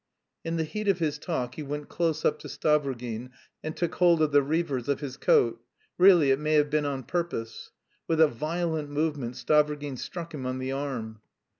In the heat of his talk he went close up to Stavrogin and took hold of the revers of his coat (really, it may have been on purpose). With a violent movement Stavrogin struck him on the arm.